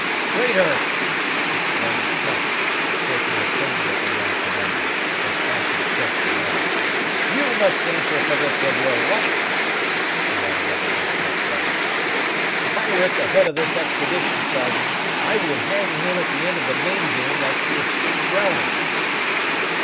"Traitor!" exclaimed Cap, shaking a finger at the young commander, though passion choked the rest. "You must answer for this with your life!" he added after a short pause. "If I were at the head of this expedition, Sergeant, I would hang him at the end of the main boom, lest he escape drowning."